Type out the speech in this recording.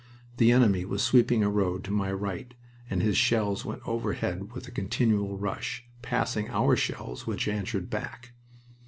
The enemy was sweeping a road to my right, and his shells went overhead with a continual rush, passing our shells, which answered back.